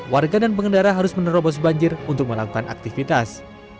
warga dan pengendara harus menerobos banjir untuk melakukan aktivitas